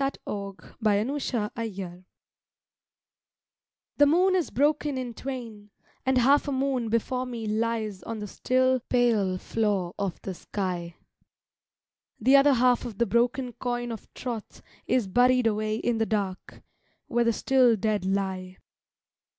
TROTH WITH THE DEAD THE moon is broken in twain, and half a moon Before me lies on the still, pale floor of the sky; The other half of the broken coin of troth Is buried away in the dark, where the still dead lie.